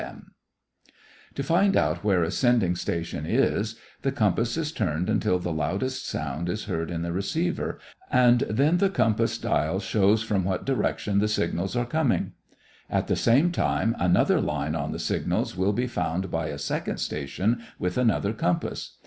The radio compass turned parallel to an oncoming electro magnetic wave] To find out where a sending station is, the compass is turned until the loudest sound is heard in the receiver and then the compass dial shows from what direction the signals are coming. At the same time, another line on the signals will be found by a second station with another compass.